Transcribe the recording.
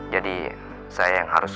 jadi saya yang harus